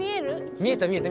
見えた見えた。